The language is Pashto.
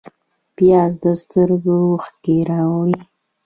پیاز د سترګو اوښکې راوړي